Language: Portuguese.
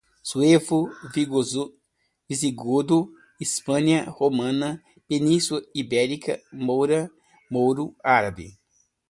suevos, visigodos, Hispânia romana, Península Ibérica, moura, mouro, árabe